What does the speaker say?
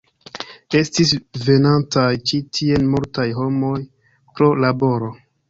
Estis venantaj ĉi tien multaj homoj pro laboro.